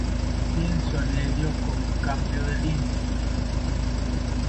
Pienso en ello como un cambio de línea.